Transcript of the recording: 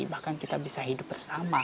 bahkan kita bisa hidup bersama